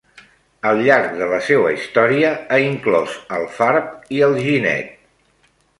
Al llarg de la seua història ha inclòs Alfarb i Alginet.